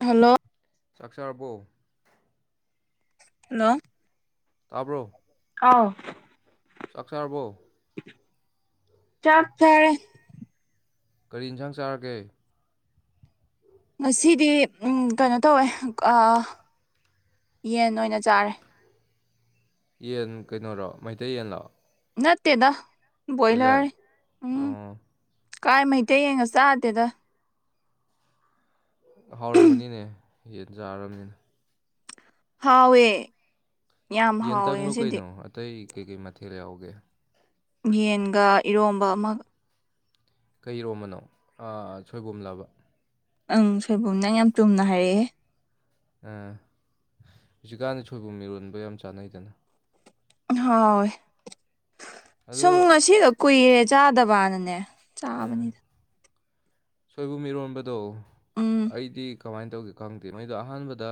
hello ꯆꯥꯛ ꯆꯥꯔꯕꯣ hello ꯇꯥꯕ꯭ꯔꯣ ꯑꯥꯎ ꯆꯥꯛ ꯆꯥꯔꯕꯣ ꯆꯥꯛ ꯆꯔꯦ ꯀꯔꯤ ꯏꯟꯁꯥꯡ ꯆꯥꯔꯒꯦ ꯉꯁꯤꯗꯤ ꯎꯝ ꯀꯩꯅꯣ ꯇꯧꯋꯦ ꯑ ꯌꯦꯟ ꯑꯣꯏꯅ ꯆꯥꯔꯦ ꯌꯦꯟ ꯀꯩꯅꯣꯔꯣ ꯃꯩꯇꯩ ꯌꯦꯟꯂꯣ ꯅꯠꯇꯦꯗ ꯀꯣꯏꯂꯔ ꯕꯣꯏꯂꯔꯅꯤ ꯎꯪ ꯑꯣ ꯀꯥꯏ ꯃꯩꯇꯩ ꯌꯦꯡꯒ ꯆꯥꯗꯦꯗ ꯍꯥꯎꯔꯝꯃꯅꯤꯅꯦ ꯌꯦꯟ ꯆꯥꯔꯕꯅꯤꯅꯦ ꯍꯥꯎꯋꯦ ꯌꯥꯝ ꯍꯥꯎꯋꯦ ꯌꯦꯟꯗꯪꯂꯣ ꯉꯁꯤꯗꯤ ꯀꯩꯅꯣ ꯑꯇꯩ ꯀꯩꯀꯩ ꯃꯊꯦꯜ ꯌꯥꯎꯒꯦ ꯌꯦꯟꯒ ꯏꯔꯣꯝꯕ ꯑꯃ ꯀꯩ ꯏꯔꯣꯝꯕꯅꯣ ꯑ ꯁꯣꯏꯕꯨꯝꯂꯕ ꯑꯪ ꯁꯣꯏꯕꯨꯝ ꯅꯪ ꯌꯥꯝ ꯆꯨꯝꯅ ꯍꯥꯏꯔꯛꯏꯍꯦ ꯑ ꯖꯤꯛꯀꯥꯟꯗꯤ ꯁꯣꯏꯕꯨꯝ ꯏꯔꯣꯟꯕ ꯌꯥꯝ ꯆꯥꯅꯩꯗꯅ ꯍꯥꯎꯋꯦ ꯑꯗꯣ ꯁꯨꯝ ꯉꯁꯤꯗꯣ ꯀꯨꯏꯔꯦ ꯆꯥꯗꯕꯅꯅꯦ ꯎꯝ ꯆꯥꯕꯅꯤꯗ ꯁꯣꯏꯕꯨꯝ ꯏꯔꯣꯟꯕꯗꯣ ꯎꯝ ꯑꯩꯗꯤ ꯀꯃꯥꯏ ꯇꯧꯒꯦ ꯈꯪꯗꯦ ꯃꯩꯗꯣ ꯑꯍꯥꯟꯕꯗ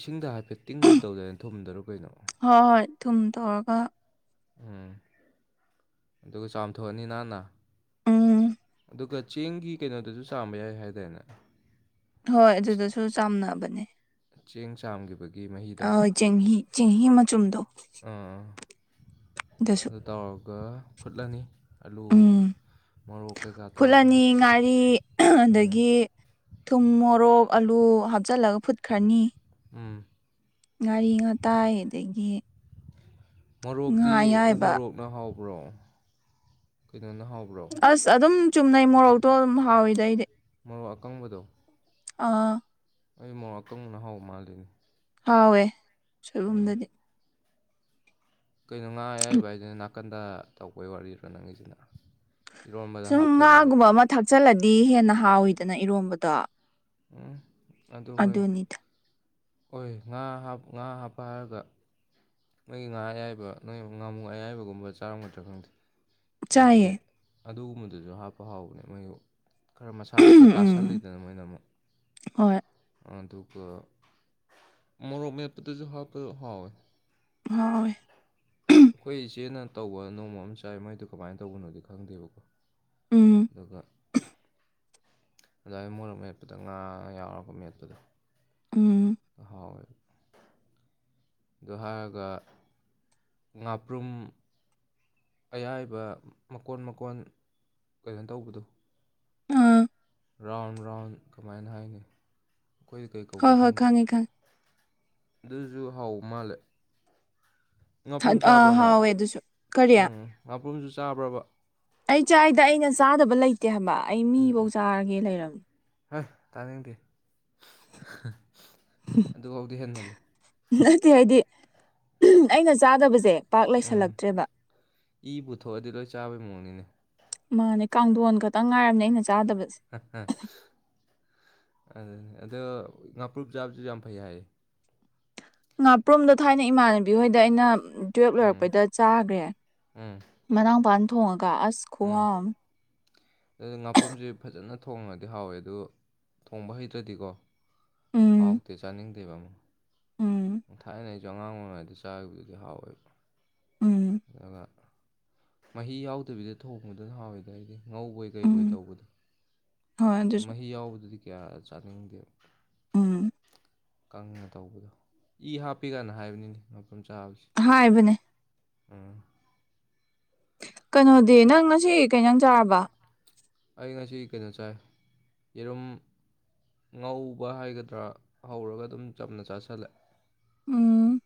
ꯏꯁꯤꯡꯗ ꯍꯥꯏꯐꯦꯠ ꯇꯤꯡꯒꯨꯝ ꯇꯧꯗꯥꯏ ꯊꯨꯝꯗꯔꯣ ꯀꯩꯅꯣ ꯍꯣꯏ ꯍꯣꯏ ꯊꯨꯝ ꯇꯧꯔꯒ ꯎꯝ ꯑꯗꯨꯒ ꯆꯥꯝꯊꯣꯛꯑꯅꯤ ꯅꯥꯟꯅ ꯎꯝ ꯑꯗꯨꯒ ꯆꯦꯡꯒꯤ ꯀꯩꯅꯣꯗꯁꯨ ꯆꯥꯝꯕ ꯌꯥꯏ ꯍꯥꯏꯗꯥꯏꯅꯦ ꯍꯣꯏ ꯑꯗꯨꯗꯁꯨ ꯆꯥꯝꯅꯕꯅꯦ ꯆꯦꯡ ꯆꯥꯝꯈꯤꯕ ꯑꯥꯎ ꯆꯦꯡꯍꯤ ꯆꯦꯡꯍꯤ ꯃꯆꯨꯝꯗꯣ ꯑꯥ ꯑꯗꯨꯁꯨ [unintelligible] ꯐꯨꯠꯂꯅꯤ ꯑꯜꯂꯨ ꯎꯝ ꯃꯣꯔꯣꯛ ꯀꯩꯀꯥ ꯇꯧꯔꯒ ꯐꯨꯠꯂꯅꯤ ꯉꯥꯔꯤ ꯎꯝ ꯑꯗꯒꯤ ꯊꯨꯝ ꯃꯣꯔꯣꯛ ꯑꯂꯨ ꯍꯥꯞꯆꯜꯂꯒ ꯐꯨꯠꯈ꯭ꯔꯅꯤ ꯎꯝ ꯉꯥꯔꯤ ꯉꯇꯥꯏ ꯑꯗꯒꯤ ꯉꯥ ꯃꯣꯔꯣꯛꯇꯤ ꯑꯌꯥꯏꯕ ꯎꯃꯣꯔꯣꯛꯅ ꯍꯥꯎꯕ꯭ꯔꯣ ꯀꯩꯅꯣꯅ ꯍꯥꯎꯕ꯭ꯔꯣ ꯑꯁ ꯑꯗꯨꯝ ꯆꯨꯝꯅꯩ ꯃꯣꯔꯣꯛꯇꯣ ꯑꯗꯨꯝ ꯍꯥꯎꯏꯗ ꯑꯩꯗꯤ ꯃꯔꯣꯛ ꯑꯀꯪꯕꯗꯣ ꯑꯥ ꯑꯩ ꯃꯣꯔꯣꯛ ꯑꯀꯪꯕꯅ ꯍꯥꯎꯕ ꯃꯥꯜꯂꯦꯅꯦ ꯍꯥꯎꯋꯦ ꯁꯣꯏꯕꯨꯝꯗꯗꯤ ꯀꯩꯅꯣ ꯉꯥ ꯑꯌꯥꯏꯕ ꯍꯥꯏꯗꯨꯅ ꯅꯥꯀꯟꯗ ꯇꯧꯕꯩ ꯋꯥꯔꯤꯔꯣ ꯅꯪꯒꯤꯁꯤꯅ ꯏꯔꯣꯟꯕꯗ ꯁꯨꯝ ꯍꯥꯞꯇꯣꯏꯔꯕ ꯉꯥꯒꯨꯝꯕ ꯑꯃ ꯊꯥꯛꯆꯜꯂꯗꯤ ꯍꯦꯟꯅ ꯍꯥꯎꯋꯤꯗꯅ ꯏꯔꯣꯝꯕꯗꯣ ꯎꯪ ꯑꯗꯨ ꯍꯣꯏ ꯑꯗꯨꯅꯤꯗ ꯍꯣꯏ ꯉꯥ ꯍꯥꯞ ꯉꯥ ꯍꯥꯞꯄ ꯍꯥꯏꯔꯒ ꯅꯣꯏꯒꯤ ꯉꯥ ꯑꯌꯥꯏꯕ ꯅꯣꯏ ꯉꯥꯃꯨ ꯑꯌꯥꯏꯕꯒꯨꯝꯕ ꯆꯥꯔꯝꯒꯗ꯭ꯔꯥ ꯈꯪꯗꯦ ꯍꯥꯏꯗꯤ ꯆꯥꯏꯌꯦ ꯑꯗꯨꯒꯨꯝꯕꯗꯨꯁꯨ ꯍꯥꯞꯄ ꯍꯥꯎꯕꯅꯦ ꯃꯣꯏꯕꯨ ꯈꯔ ꯃꯁꯥꯗꯨ ꯈꯔ ꯎꯝ ꯇꯥꯁꯜꯂꯤꯗꯅ ꯃꯣꯏꯅ ꯑꯃꯨꯛ ꯍꯣꯏ ꯑꯗꯨ ꯑꯗꯨꯒ ꯃꯣꯔꯣꯛ ꯃꯦꯞꯄꯗꯁꯨ ꯍꯥꯞꯄ ꯍꯥꯎꯋꯦ ꯍꯥꯎꯋꯦ ꯑꯈꯣꯏ ꯏꯆꯦꯅ ꯇꯧꯕ ꯅꯣꯡꯃ ꯑꯃ ꯆꯥꯏ ꯃꯥꯏꯗꯨ ꯀꯃꯥꯏꯅ ꯇꯧꯕꯅꯣꯗꯤ ꯈꯪꯗꯦꯕꯀꯣ ꯎꯝ ꯑꯗꯨꯒ ꯑꯗꯨꯏꯅ ꯃꯣꯔ ꯃꯦꯠꯄꯗ ꯉꯥ ꯌꯥꯎꯔꯄ ꯃꯦꯠꯄꯗ ꯎꯝ ꯍꯥꯎꯋꯦꯕ ꯑꯗꯨ ꯍꯥꯏꯔꯒ ꯉꯥꯄ꯭ꯔꯨꯝ ꯑꯌꯥꯏꯕ ꯃꯀꯣꯟ ꯃꯀꯣꯟ ꯀꯩꯅꯣ ꯇꯧꯕꯗꯣ ꯑꯥ ꯔꯥꯎꯟ ꯔꯥꯎꯟ ꯀꯃꯥꯏꯅ ꯍꯥꯏꯅꯤ ꯑꯈꯣꯏꯗꯤ ꯀꯩ ꯍꯣꯏ ꯀꯧꯒꯦ ꯍꯣꯏ ꯈꯪꯗꯦ ꯈꯪꯉꯦ ꯨꯑꯗꯨꯖꯨ ꯍꯥꯎꯕ ꯃꯥꯜꯂꯦ ꯉꯥꯄ꯭ꯔꯨꯝ ꯈꯪꯉꯦ ꯑꯥ ꯆꯥꯕ꯭ꯔꯣ ꯅꯪ ꯍꯥꯎꯋꯦ ꯑꯗꯨꯁꯨ ꯀꯔꯤ ꯎꯝ ꯉꯥꯄ꯭ꯔꯨꯝꯁꯨ ꯆꯥꯕ꯭ꯔꯕ ꯑꯩ ꯆꯥꯏꯗ ꯑꯩꯅ ꯆꯥꯗꯕ ꯂꯩꯇꯦ ꯍꯥꯏꯕ ꯑꯩ ꯃꯤꯐꯧ ꯆꯥꯔꯒꯦ ꯂꯩꯔꯕꯝꯅꯤ ꯍꯥꯏ ꯇꯥꯅꯤꯡꯗꯦ ꯑꯗꯨꯐꯥꯎꯗꯤ ꯍꯦꯟꯃꯜꯂꯦ ꯅꯠꯇꯦ ꯍꯥꯏꯗꯤ ꯑꯩꯅ ꯆꯥꯗꯕꯁꯦ ꯄꯥꯛ ꯂꯩꯁꯜꯂꯛꯇ꯭ꯔꯦꯕ ꯏꯕꯨ ꯊꯣꯛꯑꯗꯤ ꯂꯣꯏ ꯆꯥꯕꯩ ꯃꯑꯣꯡꯅꯤꯅꯦ ꯃꯥꯅꯦ ꯀꯥꯡꯊꯣꯟ ꯈꯛꯇꯪ ꯉꯥꯏꯔꯕꯅꯤ ꯑꯩꯅ ꯆꯥꯗꯕꯁꯦ ꯍꯍ ꯑꯗꯨꯅꯦ ꯑꯗꯣ ꯉꯥꯄ꯭ꯔꯨꯞ ꯆꯥꯕꯁꯨ ꯌꯥꯝ ꯐꯩ ꯍꯥꯏ ꯉꯥꯄ꯭ꯔꯨꯝꯗ ꯊꯥꯏꯅ ꯏꯃꯥꯟꯅꯕꯤ ꯍꯣꯏꯗ ꯑꯩꯅ ꯇꯨꯌꯦꯜꯞ ꯎꯝ ꯂꯣꯏꯔꯛꯄꯩꯗ ꯆꯥꯈ꯭ꯔꯦ ꯎꯝ ꯃꯅꯥꯎꯄꯅ ꯊꯣꯡꯉꯒ ꯇꯥ ꯑꯁ ꯈꯨꯍꯥꯎ ꯎꯝ ꯑꯃꯅꯤ ꯑꯗꯨ ꯉꯥꯄ꯭ꯔꯨꯝꯁ ꯐꯖꯅ ꯊꯣꯡꯉꯗꯤ ꯍꯥꯎꯋꯦ ꯑꯗꯨ ꯊꯣꯡꯕ ꯍꯩꯇ꯭ꯔꯗꯤꯀꯣ ꯎꯝ ꯍꯥꯎꯇꯦ ꯆꯥꯅꯤꯗꯦꯕ ꯎꯝ ꯊꯥꯏꯅ ꯑꯩꯁꯨ ꯑꯉꯥꯡ ꯑꯣꯏꯔꯤꯉꯩꯗ ꯆꯥꯈꯤꯕꯗꯨꯗꯤ ꯍꯥꯎꯋꯦꯕ ꯎꯝ ꯑꯗꯨꯒ ꯃꯍꯤ ꯌꯥꯎꯗꯕꯤꯗ ꯊꯣꯡꯕꯗꯨꯅ ꯍꯥꯎꯋꯦꯗ ꯑꯩꯗꯤ ꯉꯧꯕꯣꯏ ꯎꯝ ꯀꯔꯤꯕꯣꯏ ꯇꯧꯕꯗꯣ ꯍꯣꯏ ꯑꯗꯨꯁꯨ ꯃꯍꯤ ꯌꯥꯎꯕꯗꯨꯗꯤ ꯀꯌꯥ ꯆꯥꯅꯤꯡꯗꯦ ꯎꯝ ꯀꯪꯅ ꯇꯧꯕꯗꯣ ꯏ ꯍꯥꯞꯄꯤ ꯀꯅ ꯍꯥꯏꯕꯅꯤꯗ ꯉꯥꯄ꯭ꯔꯨꯝ ꯆꯥꯕꯁꯦ ꯍꯥꯏꯕꯅꯦ ꯎꯝ ꯀꯩꯅꯣꯗꯤ ꯅꯪ ꯉꯁꯤ ꯀꯩꯅꯪ ꯏꯟꯁ ꯥꯡ ꯆꯥꯔꯕ ꯑꯩ ꯉꯁꯤ ꯀꯩꯅꯣ ꯆꯥꯏ ꯌꯦꯔꯨꯝ ꯉꯧꯕ ꯍꯥꯏꯒꯗ꯭ꯔꯥ ꯍꯧꯔꯒ ꯑꯗꯨꯝ ꯆꯝꯅ ꯆꯥꯁꯤꯜꯂꯦ ꯎꯝ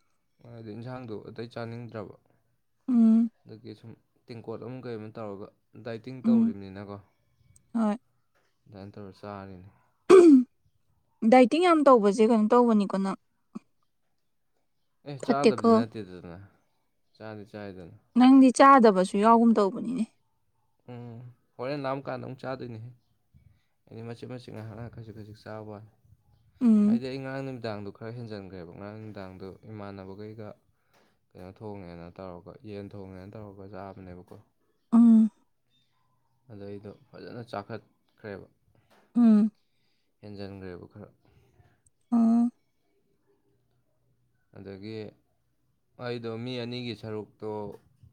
ꯗꯤ ꯏꯟꯁꯥꯡꯗꯣ ꯑꯇꯩ ꯆꯥꯅꯤꯡꯗ꯭ꯔꯕ ꯎꯝ ꯑꯗꯨꯒꯤ ꯁꯨꯝ ꯇꯦꯡꯀꯣꯠ ꯑꯃ ꯀꯩ ꯑꯃ ꯇꯧꯔꯒ ꯗꯥꯏꯇꯤꯡ ꯎꯝ ꯇꯧꯔꯤꯕꯅꯤꯅꯀꯣ ꯍꯣꯏ ꯑꯗꯨꯃꯥꯏꯅ ꯇꯧꯔ ꯆꯥꯔꯤꯅꯤ ꯗꯥꯏꯇꯤꯡ ꯌꯥꯝ ꯇꯧꯕꯁꯦ ꯀꯩꯅꯣ ꯇꯧꯕꯅꯤꯀꯣ ꯅꯪ ꯑꯦ ꯆꯥꯗꯕꯗꯤ ꯐꯠꯇꯦꯀꯣ ꯅꯠꯇꯦꯗꯗꯅ ꯆꯥꯗꯤ ꯆꯥꯏꯗꯅ ꯅꯪꯗꯤ ꯆꯥꯗꯕꯁꯨ ꯌꯥꯎꯒꯨꯝ ꯇꯧꯕꯅꯤꯅꯦ ꯎꯝ ꯍꯣꯔꯦꯟ ꯂꯥꯝꯃ ꯀꯥꯟꯗ ꯑꯃꯨꯛ ꯆꯥꯗꯣꯏꯅꯦ ꯍꯦ ꯍꯥꯏꯗꯤ ꯃꯆꯤꯠ ꯃꯆꯤ ꯉꯥꯏꯍ ꯈꯖꯤꯛ ꯈꯖꯤꯛ ꯆꯥꯕ ꯋꯥꯅꯤ ꯎꯝ ꯍꯥꯏꯗꯤ ꯑꯩ ꯉꯔꯥꯡ ꯅꯨꯃꯤ ꯅꯨꯡꯗꯥꯡꯗꯣ ꯈꯔ ꯍꯦꯟꯖꯝꯟꯈ꯭ꯔꯦꯕ ꯉꯔꯥꯡ ꯅꯨꯃꯤꯗꯥꯡꯗꯣ ꯏꯃꯥꯟꯅꯕꯈꯩꯒ ꯀꯩꯅꯣ ꯊꯣꯡꯉꯦꯅ ꯇꯧꯔꯒ ꯌꯦꯟ ꯊꯣꯡꯉꯦꯅ ꯇꯧꯔꯒ ꯆꯥꯕꯅꯦꯕꯀꯣ ꯎꯝ ꯑꯗ ꯑꯩꯗꯣ ꯐꯖꯅ ꯆꯥꯎꯥꯈꯠꯈ꯭ꯔꯦꯕ ꯎꯝ ꯍꯦꯟꯖꯟꯈ꯭ꯔꯦꯕ ꯈꯔ ꯑꯣ ꯑꯗꯒꯤ ꯑꯩꯗꯣ ꯃꯤ ꯑꯅꯤꯒꯤ ꯁꯔꯨꯛꯇꯣ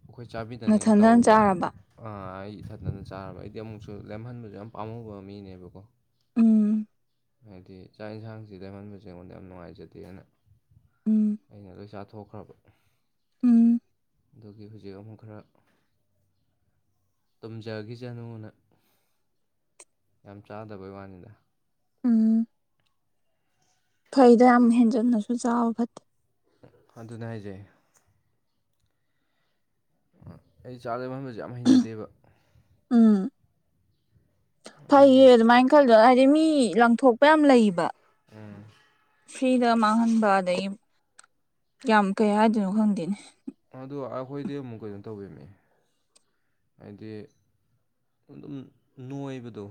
ꯑꯈꯣꯏ ꯆꯥꯕꯤꯗꯅꯤꯅ ꯅꯊꯟꯗꯅ ꯇꯧꯕ ꯆꯥꯔꯕ ꯑꯥ ꯑꯩ ꯏꯊꯟꯗꯅ ꯆꯥꯔꯕ ꯑꯩꯗꯤ ꯑꯃꯨꯛꯁꯨ ꯂꯦꯝꯍꯟꯕꯁꯨ ꯌꯥꯝ ꯄꯥꯝꯃꯨꯕ ꯃꯤꯅꯦꯕꯀꯣ ꯎꯝ ꯍꯥꯏꯗꯤ ꯆꯥꯛ ꯌꯦꯟꯁꯥꯡꯁꯤꯗ ꯂꯦꯝꯍꯟꯕꯁꯤ ꯑꯩꯉꯣꯟꯗ ꯌꯥꯝ ꯅꯨꯡꯉꯥꯏꯖꯗꯦꯅ ꯎꯝ ꯑꯩꯅ ꯂꯣꯏ ꯆꯥꯊꯣꯛꯈ꯭ꯔꯕ ꯎꯝ ꯑꯗꯨꯒꯤ ꯍꯧꯖꯤꯛ ꯑꯃꯨꯛ ꯈꯔ ꯇꯨꯝꯖꯈꯤꯁꯅꯨꯅ ꯌꯥꯝ ꯆꯥꯗꯕꯩ ꯋꯥꯅꯤꯗ ꯎꯝ ꯐꯩꯗ ꯌꯥꯝ ꯍꯦꯟꯖꯟꯅꯁꯨ ꯆꯥꯕ ꯐꯠꯇꯦ ꯑꯗꯨꯅ ꯍꯥꯏꯖꯦ ꯑꯩ ꯆꯥꯕꯗ ꯂꯦꯝꯍꯟꯕꯁꯤ ꯌꯥꯝ ꯍꯩꯅꯗꯦꯕ ꯎꯝ ꯐꯩꯌꯦ ꯑꯗꯒꯤ ꯑꯗꯨꯃꯥꯏꯅ ꯈꯜꯂꯗꯣ ꯃꯤ ꯂꯪꯊꯣꯛꯄ ꯌꯥꯝ ꯂꯩꯕ ꯎꯝ ꯐ꯭ꯔꯤꯗ ꯃꯥꯡꯍꯟꯕ ꯑꯗꯒꯤ ꯌꯥꯝ ꯀꯩ ꯍꯥꯏꯗꯣꯏꯅꯣ ꯈꯪꯗꯦꯅꯦ ꯑꯗꯣ ꯑꯈꯣꯏꯗꯤ ꯑꯃꯨꯛ ꯀꯩꯅꯣ ꯇꯧꯕꯤꯕꯝꯃꯦ ꯍꯥꯏꯗꯤ ꯑꯗꯨꯝ ꯅꯣꯏꯕꯗꯣ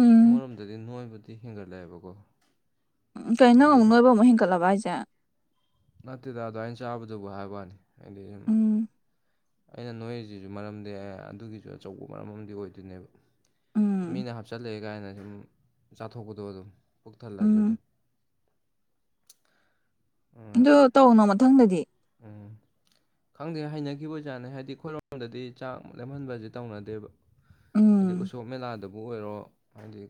ꯎꯝ ꯑꯃꯔꯣꯝꯗꯗꯤ ꯅꯣꯏꯕꯗꯤ ꯍꯦꯟꯒꯠꯂꯛꯑꯦꯕꯀꯣ ꯀꯩꯅꯩ ꯅꯪ ꯍꯥꯏꯗꯤ ꯃꯨꯛ ꯁꯨꯝ ꯅꯣꯏꯕ ꯑꯃꯨꯛ ꯍꯦꯟꯀꯠꯂꯕ ꯍꯥꯏꯁꯦ ꯅꯠꯇꯦꯗ ꯑꯗꯥꯏ ꯆꯥꯕꯗꯨꯕꯨ ꯍꯥꯏꯕ ꯋꯥꯅꯤ ꯑꯩꯗꯤ ꯗꯨꯝ ꯎꯝ ꯑꯩꯅ ꯅꯣꯏꯔꯤꯁꯤꯁꯨ ꯃꯔꯝꯗꯤ ꯑꯦ ꯑꯗꯨꯒꯤꯁꯨ ꯑꯆꯧꯕ ꯃꯔꯝ ꯑꯃꯗꯤ ꯑꯣꯏꯗꯣꯏꯅꯦꯕ ꯎꯝ ꯃꯤꯅ ꯍꯥꯞꯆꯤꯂꯑꯦ ꯀꯥꯏꯅ ꯁꯨꯝ ꯆꯥꯊꯣꯛꯄꯗꯣ ꯑꯗꯨꯝ ꯄꯨꯛ ꯊꯜꯂꯁꯨ ꯎꯝ ꯑꯗꯨꯝ ꯑꯗꯨꯅ ꯑꯗꯨ ꯇꯧꯅꯣ ꯃꯊꯪꯗꯗꯤ ꯎꯝ ꯈꯪꯗꯦ ꯍꯥꯏꯅꯈꯤꯕ ꯑꯣꯏꯖꯥꯅꯦ ꯍꯥꯏꯗꯤ ꯑꯩꯈꯣꯏꯔꯣꯝꯗꯗꯤ ꯆꯥꯛ ꯂꯦꯝꯍꯟꯕꯁꯦ ꯇꯧꯅꯗꯦꯕ ꯑꯗꯩ ꯎꯝ ꯎꯁꯣꯞ ꯃꯦꯂꯗ ꯕꯨ ꯑꯣꯏꯔꯣ ꯍꯥꯏꯗꯤ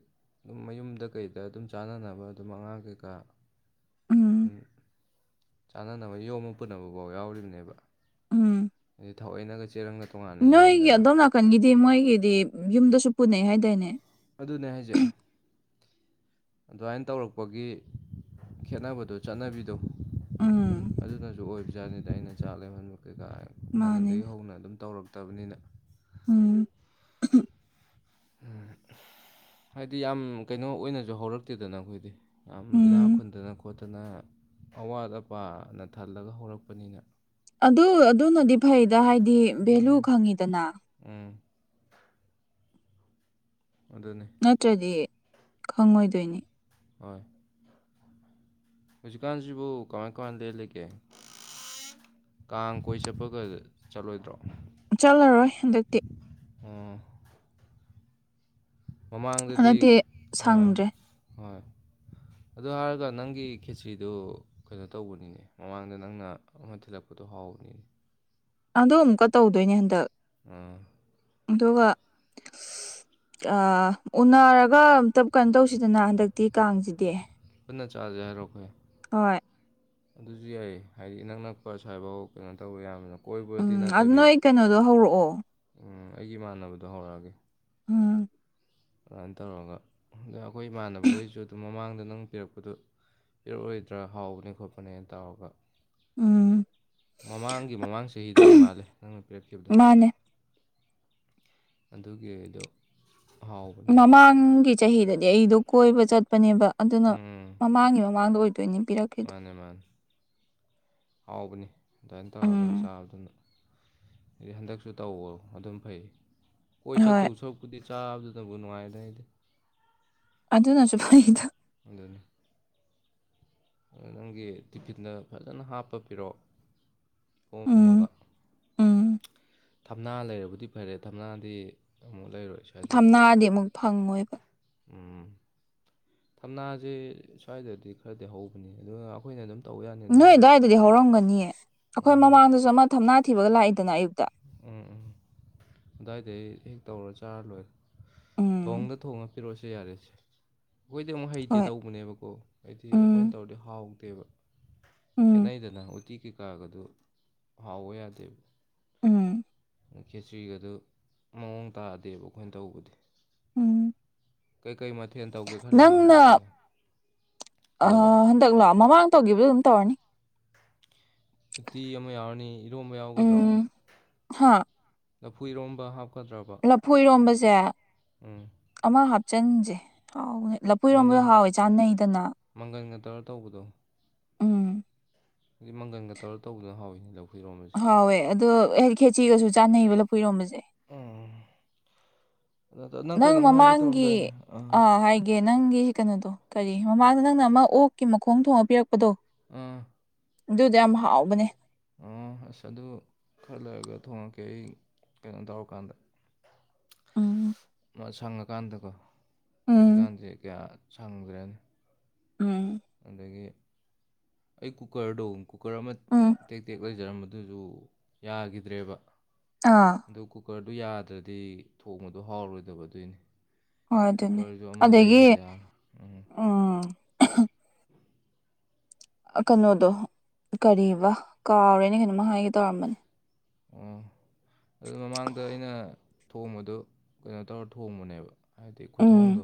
ꯑꯗꯨꯝ ꯃꯌꯨꯝꯗ ꯀꯩꯗ ꯑꯗꯨꯝ ꯆꯥꯟꯅꯅꯕ ꯑꯗꯨꯝ ꯑꯉꯥꯡ ꯀꯩꯀꯥ ꯎꯝ ꯆꯥꯅꯅꯕ ꯌꯣꯝꯃ ꯄꯨꯅꯕ ꯐꯥꯎ ꯌꯥꯎꯔꯤꯕꯅꯦꯕ ꯎꯝ ꯑꯗꯨꯗꯤ ꯊꯥꯑꯣꯏꯩꯅꯒ ꯆꯦꯔꯪꯒ ꯇꯣꯉꯥꯟꯅ ꯅꯣꯏꯒꯤ ꯌꯦꯟꯗꯅ ꯑꯗꯣꯝ ꯅꯥꯀꯟꯒꯤꯗꯤ ꯃꯣꯏꯒꯤꯗꯤ ꯌꯨꯝꯗꯁꯨ ꯄꯨꯅꯩ ꯍꯥꯏꯗꯥꯏꯅꯦ ꯑꯗꯨꯅꯦ ꯍꯥꯏꯖꯦ ꯑꯗꯨꯃꯥꯏꯅ ꯇꯧꯔꯛꯄꯒꯤ ꯈꯦꯠꯅꯕꯗꯣ ꯆꯠꯅꯕꯤꯗꯣ ꯎꯝ ꯑꯗꯨꯅꯁꯨ ꯑꯣꯏꯕꯖꯥꯠꯅꯤꯗ ꯑꯩꯅ ꯆꯥꯛ ꯂꯦꯝꯍꯟ ꯀꯩꯀꯥ ꯍꯥꯟꯅꯗꯒꯤ ꯃꯥꯅꯤꯗ ꯍꯧꯅ ꯑꯗꯨꯝ ꯇꯧꯔꯛꯇꯕꯅꯤꯅ ꯎꯝ ꯎꯝ ꯍꯥꯏꯗꯤ ꯌꯥꯝ ꯀꯩꯅꯣ ꯑꯣꯏꯅꯁꯨ ꯍꯧꯔꯛꯇꯦꯗꯅ ꯑꯈꯣꯏꯗꯤ ꯌꯥꯝ ꯏꯅꯥꯛ ꯎꯝ ꯈꯨꯟꯗꯅ ꯈꯣꯠꯇꯅ ꯑꯋꯥꯠ ꯑꯄꯥꯅ ꯊꯜꯂꯒ ꯍꯧꯔꯛꯄꯅꯤꯅ ꯑꯗꯨ ꯑꯗꯨꯃꯗꯤ ꯐꯩꯗꯅ ꯍꯥꯏꯗꯤ ꯚꯦꯂꯨ ꯎꯝ ꯈꯪꯉꯤꯗꯅ ꯎꯝ ꯑꯗꯨꯅꯤ ꯅꯠꯇ꯭ꯔꯗꯤ ꯈꯪꯉꯣꯏꯗꯣꯏꯅꯤ ꯍꯣꯏ ꯍꯧꯖꯤꯛꯀꯥꯟꯁꯤꯕꯨ ꯀꯃꯥꯏ ꯀꯃꯥꯏ ꯂꯦꯜꯂꯤꯒꯦ ꯀꯥꯡ ꯀꯣꯏ ꯆꯠꯄꯒ ꯆꯠꯂꯣꯏꯗ꯭ꯔꯣ ꯆꯠꯂꯔꯣꯏ ꯍꯟꯗꯛꯇꯤ ꯑꯣ ꯃꯃꯥꯡꯗꯗꯤ ꯍꯟꯗꯛꯇꯤ ꯑꯥ ꯁꯪꯗ꯭ꯔꯦ ꯍꯣꯏ ꯑꯗꯨ ꯍꯥꯏꯔꯒ ꯅꯪꯒꯤ ꯈꯦꯆ꯭ꯔꯤꯗꯨ ꯀꯩꯅꯣ ꯇꯧꯕꯅꯤꯅꯦ ꯃꯃꯥꯡꯗ ꯅꯪꯅ ꯑꯃ ꯊꯤꯜꯂꯛꯄꯗꯣ ꯍꯥꯎꯋ ꯍꯥꯎꯕꯅꯤ ꯑꯗꯨ ꯑꯃꯨꯛꯀ ꯇꯧꯗꯣꯏꯅꯦ ꯍꯟꯗꯛ ꯎꯝ ꯑꯗꯨꯒ ꯑꯥ ꯎꯅꯔꯒ ꯑꯝꯇꯞ ꯀꯩꯅꯣ ꯇꯧꯁꯤꯗꯅ ꯍꯟꯗꯛꯇꯤ ꯀꯥꯡꯁꯤꯗꯤ ꯄꯨꯟꯅ ꯆꯥꯁꯦ ꯍꯥꯏꯔꯣ ꯍꯣꯏ ꯑꯗꯨꯁꯨ ꯌꯥꯏꯑ ꯍꯥꯏꯗꯤ ꯏꯅꯛ ꯅꯛꯄ ꯁ꯭ꯋꯥꯏꯐꯥꯎ ꯀꯩꯅꯣ ꯇꯧꯕ ꯌꯥꯕꯃꯤꯅ ꯎꯝ ꯑꯗꯨ ꯅꯣꯏ ꯀꯩꯅꯣꯗꯣ ꯍꯧꯔꯛꯑꯣ ꯎꯝ, ꯑꯩꯒꯤ ꯏꯃꯥꯟꯅꯕꯗꯣ ꯍꯧꯔꯛꯑꯒꯦ ꯎꯝ ꯑꯗꯨꯃꯥꯏꯅ ꯇꯧꯔꯒ ꯑꯗ ꯑꯩꯈꯣꯏ ꯏꯃꯥꯟꯅꯕꯈꯩꯁꯨ ꯑꯗꯨꯝ ꯃꯃꯥꯡꯗ ꯅꯪ ꯄꯤꯔꯛꯄꯗꯨ ꯄꯤꯔꯛꯑꯣꯏꯗ꯭ꯔꯥ ꯍꯥꯎꯕꯅꯦ ꯈꯣꯠꯄꯅꯦꯅ ꯇꯧꯔꯒ ꯎꯝ ꯃꯃꯥꯡꯒꯤ ꯃꯃꯥꯡ ꯆꯍꯤꯗ ꯑꯣꯏ ꯃꯥꯜꯂꯦ ꯅꯪꯅ ꯄꯤꯔꯠꯈꯤꯕꯗꯣ ꯃꯥꯅꯦ ꯑꯗꯨꯒꯤ ꯑꯩꯗꯣ ꯃꯃꯥꯡꯒꯤ ꯆꯍꯤꯗꯗꯤ ꯑꯩꯗꯣ ꯀꯣꯏꯕ ꯆꯠꯄꯅꯦꯕ ꯑꯗꯨꯅ ꯎꯝ ꯃꯃꯥꯡꯒꯤ ꯃꯃꯥꯡꯗ ꯑꯣꯏ ꯃꯥꯅꯦ ꯃꯥꯅꯦ ꯍꯥꯎꯕꯅꯤ ꯑꯗꯨꯃꯥꯏꯅ ꯇꯧꯔꯒ ꯎꯝ ꯆꯥꯕꯗꯨꯅ ꯍꯥꯏꯗꯤ ꯍꯟꯗꯛꯁꯨ ꯇꯧꯋꯣ ꯑꯗꯨꯝ ꯐꯩ ꯀꯣꯏ ꯍꯣꯏ ꯆꯠꯇꯧ ꯁꯔꯨꯛꯄꯨꯗꯤ ꯆꯥꯕꯗꯨ ꯑꯗꯨꯕꯨ ꯅꯨꯉꯥꯏꯗ ꯑꯩꯗꯤ ꯑꯗꯨꯅꯁꯨ ꯐꯅꯤꯗ ꯑꯗꯨꯅꯤ ꯅꯪꯒꯤ ꯇꯤꯐꯤꯟꯗ ꯐꯖꯅ ꯍꯥꯞꯄ ꯄꯤꯔꯛꯑꯣ ꯎꯝ ꯎꯝ [unintelligible] ꯊꯝꯅꯥ ꯂꯩꯔꯕꯗꯤ ꯐꯔꯦ ꯊꯝꯅꯥꯗꯤ ꯑꯃꯨꯛ ꯂꯩꯔꯣꯏ ꯁ꯭ꯋꯥꯏꯗꯗꯤ ꯊꯝꯅꯥꯗꯤ ꯑꯃꯨꯛ ꯐꯪꯉꯣꯏꯕ ꯎꯝ ꯊꯝꯅꯥꯁꯦ ꯁ꯭ꯋꯥꯏꯗꯗꯤ ꯈꯔꯗꯤ ꯍꯧꯕꯅꯤ ꯑꯗꯨꯒ ꯑꯈꯣꯏꯅ ꯑꯗꯨꯝ ꯇꯧ ꯌꯥꯅꯤ ꯅꯣꯏ ꯑꯗꯨꯒꯤꯕꯨꯗꯤ ꯑꯗꯨ꯭ꯋꯥꯏꯗꯗꯤ ꯍꯧꯔꯝꯒꯅꯤꯌꯦ ꯑꯈꯣꯏ ꯃꯃꯥꯡꯗꯁꯨ ꯑꯃ ꯊꯝꯅꯥ ꯊꯤꯕꯒ ꯂꯥꯛꯏ ꯎꯝ ꯎꯝ ꯗꯥꯏꯗꯒꯤ ꯍꯦꯛ ꯇꯧꯔ ꯆꯥꯔ ꯂꯣꯏꯔ ꯎꯝ ꯊꯣꯡꯗ ꯊꯣꯡꯅ ꯄꯤꯔꯛꯑꯣꯁ ꯌꯥꯔꯁꯦ ꯑꯈꯣꯏꯗꯤ ꯑꯃꯨꯛ ꯍꯩꯇꯦ ꯍꯣꯏ ꯇꯧꯕꯅꯦꯕꯀꯣ ꯍꯥꯏꯗꯤ ꯑꯈꯣꯏꯅ ꯎꯝ ꯇꯧꯔꯗꯤ ꯍꯥꯎꯇꯦꯕ ꯎꯝ ꯈꯦꯠꯅꯩꯗꯅ ꯎꯇꯤ ꯀꯩꯀꯥꯒꯗꯨ ꯍꯥꯎꯑꯣ ꯌꯥꯗꯦꯕ ꯎꯝ ꯈꯦꯆ꯭ꯔꯤꯒꯗꯨ ꯃꯑꯣꯡ ꯇꯥꯗꯦꯕ ꯑꯈꯣꯏꯅ ꯇꯧꯕꯗꯤ ꯎꯝ ꯀꯩꯀꯩ ꯃꯊꯦꯜ ꯇꯧꯒꯦ ꯈꯜꯂꯤꯅꯣ ꯅꯪꯅ ꯍꯟꯗꯛꯇꯤ ꯀꯩꯗꯧꯕ ꯑꯥ ꯍꯟꯗꯛ ꯂꯣ ꯃꯃꯥꯡ ꯇꯧꯈꯤꯕꯗꯨ ꯑꯗꯨꯝ ꯇꯧꯔꯅꯤ ꯎꯇꯤ ꯑꯃ ꯌꯥꯎꯔꯅꯤ ꯏꯔꯣꯝꯕ ꯌꯥꯎꯒꯗ꯭ꯔꯣ ꯎꯝ ꯍꯥ ꯂꯐꯨ ꯏꯔꯣꯝꯕ ꯍꯥꯞ ꯂꯐꯨ ꯏꯔꯣꯝꯕꯁꯦ ꯎꯝ ꯑꯃ ꯍꯥꯞꯆꯟꯁꯦ ꯍꯥꯎ ꯂꯥꯐꯨ ꯏꯔꯣꯝꯕꯗꯨ ꯃꯪꯒꯟ ꯍꯥꯎꯋꯦ ꯆꯥꯅꯩꯗꯅ ꯃꯪꯒꯟꯒ ꯇꯧꯔ ꯇꯧꯕꯗꯣ ꯎꯝ ꯑꯗꯨ ꯃꯪꯒꯟꯒ ꯇꯧꯔ ꯇꯧꯕꯗꯅ ꯍꯥꯎꯋꯤꯅꯦ ꯂꯧ ꯍꯥꯎꯋꯦ ꯑꯗꯣ ꯈꯦꯆꯤꯒꯁꯨ ꯆꯥꯟꯅꯩꯕ ꯂꯥꯐꯨ ꯏꯔꯣꯝꯕꯁꯦ ꯎꯝ ꯅꯪ ꯀꯩꯅꯣꯝ ꯍꯥꯏꯒꯦ ꯃꯃꯥꯡꯒꯤ ꯇꯧꯔꯝꯗꯥꯏꯅꯦ ꯑꯥ ꯍꯥꯏꯒꯦ ꯅꯪꯒꯤ ꯀꯩꯅꯣꯗꯣ ꯀꯔꯤ ꯃꯃꯥꯡꯗ ꯅꯪꯅ ꯑꯃ ꯑꯣꯛꯀꯤ ꯃꯈꯣꯡ ꯊꯣꯡꯉ ꯄꯤꯔꯛꯄꯗꯣ ꯑꯝ ꯑꯗꯨꯗꯣ ꯌꯥꯝ ꯍꯥꯎꯕꯅꯦ ꯑꯣ ꯑꯁ ꯑꯗꯨ ꯈꯔ ꯂꯩꯔꯒ ꯊꯣꯡꯉꯛꯀꯦ ꯑꯩ ꯀꯩꯅꯣ ꯇꯧꯔꯀꯥꯟꯗ [inaudible] ꯎꯝ ꯃꯥ ꯁꯪꯉꯀꯥꯟꯗꯀꯣ ꯎꯝ ꯍꯧꯖꯤꯛꯀꯥꯟꯖꯦ ꯀꯌꯥ ꯁꯪꯗ꯭ꯔꯦꯅꯦ ꯎꯝ ꯑꯗꯒꯤ ꯑꯩ ꯀꯨꯀꯔꯗꯣ ꯀꯨꯀꯔ ꯑꯃ ꯎꯝ ꯇꯦꯛ ꯇꯦꯛ ꯂꯩꯖꯔꯝꯕꯗꯨꯖꯨ ꯌꯥꯒꯤꯗ꯭ꯔꯦꯕ ꯑꯥ ꯑꯗꯨ ꯀꯨꯀꯔꯗꯨ ꯌꯥꯗ꯭ꯔꯗꯤ ꯊꯣꯡꯕꯗꯣ ꯍꯥꯎꯔꯣꯏꯗꯕ ꯑꯗꯨꯏꯅꯤ ꯍꯣꯏ ꯑꯗꯨꯅꯦ ꯀꯨꯀꯔꯁꯨ ꯑꯃ ꯑꯗꯒꯤ ꯂꯩꯈꯤꯗ ꯌꯥꯔꯣꯏ ꯎꯝ ꯑꯥ ꯀꯅꯣꯗꯣ ꯀꯔꯤꯕ ꯀꯥꯎꯔꯦꯅꯦ ꯀꯩꯅꯣꯝꯃ ꯍꯥꯏꯒꯦ ꯇꯧꯔꯝꯕꯅꯤ ꯎꯝ ꯑꯗꯨ ꯃꯃꯥꯡꯗ ꯑꯩꯅ ꯊꯣꯡꯕꯗꯣ ꯀꯩꯅꯣ ꯇꯧꯔ ꯊꯣꯡꯕꯅꯦꯕ ꯍꯥꯏꯕꯗꯤ ꯎꯝ ꯈꯨꯊꯣꯡꯗꯣ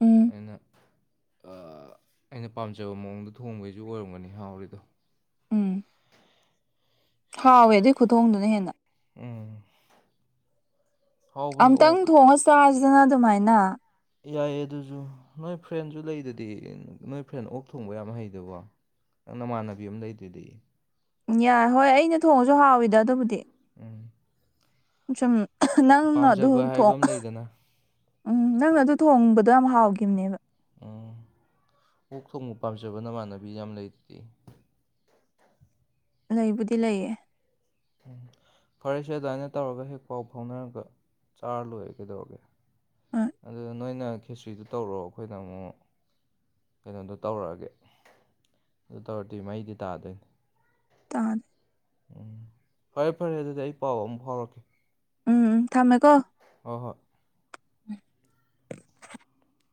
ꯎꯝ ꯑꯩꯅ ꯑꯥ ꯑꯩꯅ ꯄꯥꯝꯖꯕ ꯃꯑꯣꯡꯗ ꯊꯣꯡꯕꯩꯖꯨ ꯑꯣꯏꯔꯝꯒꯅꯤ ꯍꯥꯎꯔꯤꯗꯣ ꯎꯝ ꯍꯥꯎꯋꯦ ꯑꯗꯨꯏ ꯈꯨꯊꯣꯡꯗꯨꯅ ꯍꯦꯟꯅ ꯎꯝ ꯍꯥꯎꯕꯅꯦ ꯑꯝꯇꯪ ꯑꯣꯛ ꯊꯣꯡꯉ ꯆꯥꯖꯤꯗꯅꯥ ꯑꯗꯨꯃꯥꯏꯅ ꯌꯥꯏꯌꯦ ꯑꯗꯨꯖꯨ ꯅꯣꯏ ꯐ꯭ꯔꯦꯟꯖꯨ ꯂꯩꯗꯨꯗꯤ ꯅꯣꯏ ꯐ꯭ꯔꯦꯟ ꯑꯣꯛ ꯊꯣꯡꯕ ꯌꯥꯝ ꯍꯩꯗꯨꯕꯣ ꯅꯪ ꯅꯃꯥꯟꯅꯕꯤ ꯑꯝ ꯂꯩꯗꯨꯗꯤ ꯌꯥꯏ ꯍꯣꯏ ꯑꯩꯅ ꯊꯣꯡꯉꯖꯨ ꯍꯥꯎꯋꯤꯗꯥ ꯑꯗꯨꯕꯨꯗꯤ ꯎꯝ ꯁꯨꯝ ꯅꯪꯅ ꯑꯗꯨ ꯄꯥꯝꯖꯕ ꯍꯥꯏꯕ ꯊꯣꯡ ꯑꯃ ꯂꯩꯗꯅ ꯎꯝ ꯅꯪꯅ ꯑꯗꯨ ꯊꯣꯡꯕ ꯌꯥꯝ ꯍꯥꯎꯒꯤꯝꯅꯦꯕ ꯎꯝ ꯑꯣꯛ ꯊꯣꯡꯕ ꯄꯥꯝꯖꯕ ꯅꯃꯥꯟꯅꯕꯤ ꯌꯥꯝ ꯂꯩꯗꯨꯗꯤ ꯂꯩꯕꯨꯗꯤ ꯂꯩꯌꯦ ꯐꯔꯦꯁꯦ ꯑꯗꯨꯃꯥꯏꯅ ꯇꯧꯔꯒ ꯍꯦꯛ ꯄꯥꯎ ꯐꯥꯎꯅꯔꯒ ꯆꯥꯔ ꯂꯣꯏꯔꯦ ꯀꯩꯗꯧꯔꯒꯦ ꯑ ꯑꯗꯨꯗ ꯅꯣꯏꯅ ꯈꯦꯆ꯭ꯔꯤꯗꯣ ꯇꯧꯔꯛꯑꯣ ꯑꯩꯈꯣꯏꯅ ꯑꯃꯨꯛ ꯀꯩꯅꯣꯗꯣ ꯇꯧꯔꯛꯑꯒꯦ ꯑꯗꯨ ꯇꯧꯔꯗꯤ ꯃꯍꯩꯗꯤ ꯇꯥꯗꯣꯏꯅꯤ ꯇꯥ ꯎꯝ ꯐꯔꯦ ꯐꯔꯦ ꯑꯗꯨꯗꯤ ꯑꯩ ꯄꯥꯎ ꯑꯃꯨꯛ ꯐꯥꯎꯔꯛꯀꯦ ꯎꯝ ꯎꯝ ꯊꯝꯃꯦꯀꯣ ꯍꯣꯏ ꯍꯣꯏ [inaudible]